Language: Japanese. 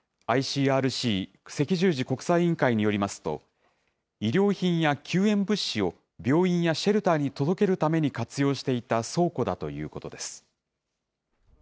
ＩＣＲＣ・赤十字国際委員会によりますと、医療品や救援物資を病院やシェルターに届けるために活用していた倉庫だということです。